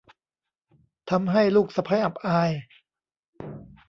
ทำให้ลูกสะใภ้อับอาย